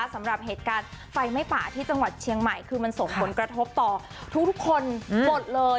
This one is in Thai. สำหรับเหตุการณ์ไฟไหม้ป่าที่จังหวัดเชียงใหม่คือมันส่งผลกระทบต่อทุกคนหมดเลย